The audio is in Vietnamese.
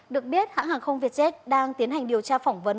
được biết hãng hàng không vietjet đang tiến hành điều tra phỏng vấn